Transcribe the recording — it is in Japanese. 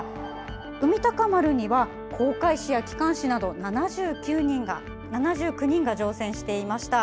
「海鷹丸」には航海士や機関士など７９人が乗船していました。